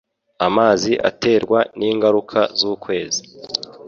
Amazi aterwa ningaruka zukwezi.